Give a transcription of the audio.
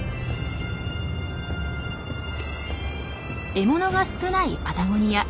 獲物が少ないパタゴニア。